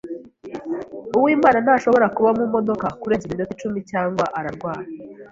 Uwimana ntashobora kuba mumodoka kurenza iminota icumi cyangwa ararwara.